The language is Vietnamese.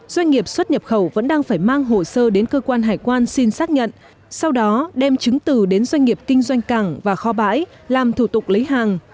doanh nghiệp xuất nhập khẩu vẫn đang phải mang hồ sơ đến cơ quan hải quan xin xác nhận sau đó đem chứng từ đến doanh nghiệp kinh doanh cảng và kho bãi làm thủ tục lấy hàng